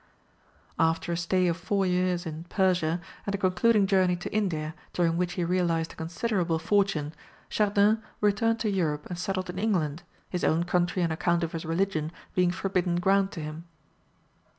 After a stay of four years in Persia, and a concluding journey to India, during which he realized a considerable fortune, Chardin returned to Europe and settled in England, his own country on account of his religion, being forbidden ground to him.